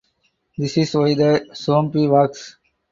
This is why the zombie walks.